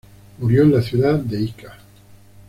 Murió en la ciudad de Ica.